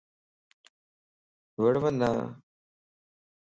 وڙونا